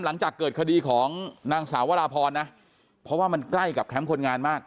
หลังจากเกิดคดีของนางสาววราพรนะเพราะว่ามันใกล้กับแคมป์คนงานมาก